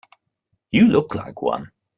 You look like one.